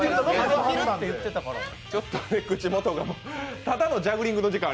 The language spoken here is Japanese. ちょっと口元がただのジャグリングの時間